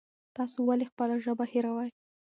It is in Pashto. تاسو ولې خپله ژبه هېروئ؟